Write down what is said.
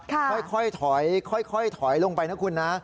ค่อยถอยค่อยถอยลงไปนะคุณนะ